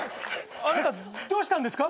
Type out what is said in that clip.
あなたどうしたんですか？